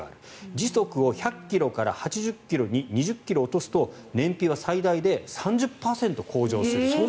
時速を１００ｋｍから８０ｋｍに２０ｋｍ落とすと燃費は最大で３０％向上する。